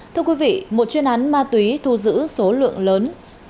thưa quý vị một chuyên án ma túy thu giữ số lượng lớn